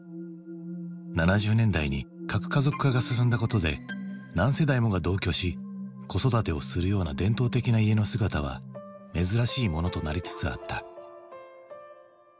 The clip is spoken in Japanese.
７０年代に核家族化が進んだことで何世代もが同居し子育てをするような伝統的な家の姿は珍しいものとなりつつあった。